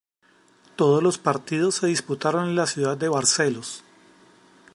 Todos los partidos se disputaron en la ciudad de Barcelos.